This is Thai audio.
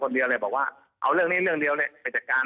เดียวเลยบอกว่าเอาเรื่องนี้เรื่องเดียวเลยไปจัดการ